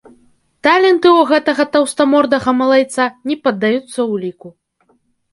Таленты ў гэтага таўстамордага малайца не паддаюцца ўліку.